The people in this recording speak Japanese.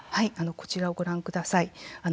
こちらをご覧ください。